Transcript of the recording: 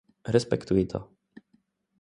Respektuji to.